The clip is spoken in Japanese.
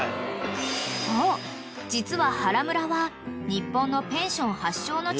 ［そう実は］